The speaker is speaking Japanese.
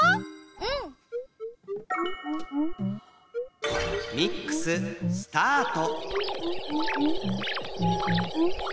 うん！ミックススタート！